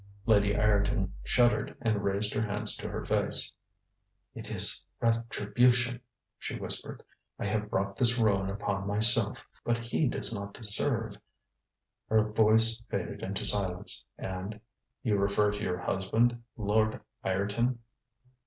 ŌĆØ Lady Ireton shuddered and raised her hands to her face. ŌĆ£It is retribution, ŌĆØ she whispered. ŌĆ£I have brought this ruin upon myself. But he does not deserve ŌĆØ Her voice faded into silence, and: ŌĆ£You refer to your husband, Lord Ireton?